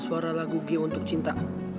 suara lagu g untuk cinta